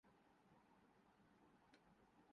ساری کا دنیا کے